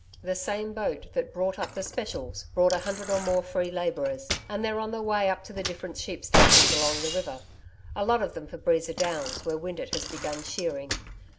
The same boat that brought up the specials brought a hundred or more free labourers, and they're on their way up to the different sheep stations along the river a lot of them for Breeza Downs, where Windeatt has begun shearing.